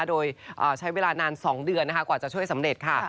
โดยใช้เวลานาน๒เดือนนะคะกว่าจะช่วยสำเร็จค่ะ